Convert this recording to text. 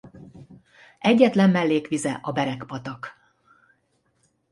Egyetlen mellékvize a Berek-patak.